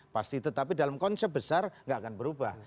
pasti tetapi dalam konsep besar nggak akan berubah